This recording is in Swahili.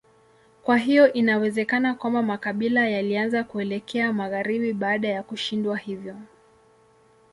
Kwa hiyo inawezekana kwamba makabila yalianza kuelekea magharibi baada ya kushindwa hivyo.